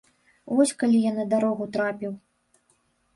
Вось калі я на дарогу трапіў.